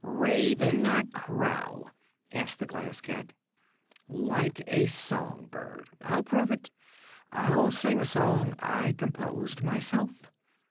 "Raven, or crow?" asked the Glass Cat. "Like a song bird. I'll prove it. I'll sing a song I composed myself.